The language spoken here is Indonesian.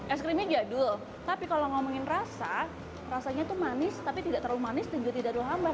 es krimnya jadul tapi kalau ngomongin rasa rasanya tuh manis tapi tidak terlalu manis dan juga tidak terlalu hambat